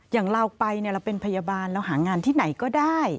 อย่างเราไปเราเป็นพยาบาลเราหางานที่ไหนก็ได้